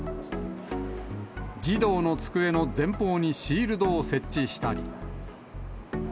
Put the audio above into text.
児童の机の前方にシールドを設置したり。